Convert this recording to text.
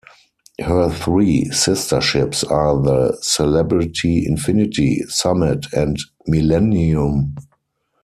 Her three sister ships are the "Celebrity Infinity", "Summit", and "Millennium".